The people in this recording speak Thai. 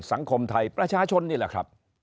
สังคมไทยประชาชนนี่แหละครับ